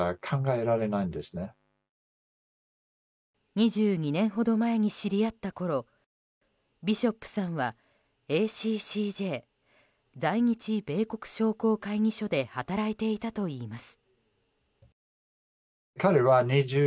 ２２年ほど前に知り合ったころビショップさんはＡＣＣＪ・在日米国商工会議所で働いていたといいます。